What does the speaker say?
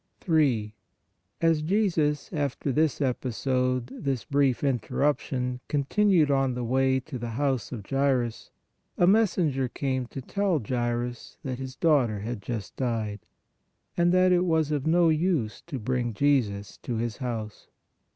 3. As Jesus, after this episode, this brief inter ruption, continued on the way to the house of Jairus, a messenger came to tell Jairus that his daughter had just died, and that it was of no use to bring Jesus to his house.